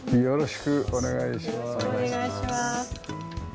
よろしくお願いします。